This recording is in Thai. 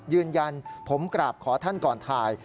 ยืนยันผมกราบขอท่านก่อนถ่าย